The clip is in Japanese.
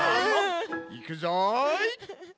いくぞい。